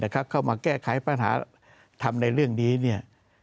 เข้ามาแก้ไขปัญหาทำในเรื่องนี้